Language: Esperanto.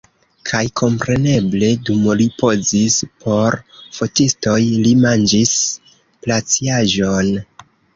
Kaj kompreneble, dum li pozis por fotistoj, li manĝis glaciaĵon!